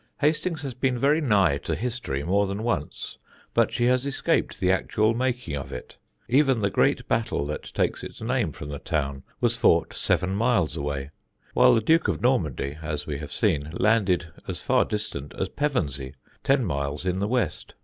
Hastings has been very nigh to history more than once, but she has escaped the actual making of it. Even the great battle that takes its name from the town was fought seven miles away, while the Duke of Normandy, as we have seen, landed as far distant as Pevensey, ten miles in the west.